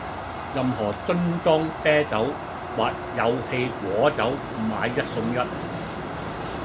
任何樽裝啤酒或有氣果酒買一送一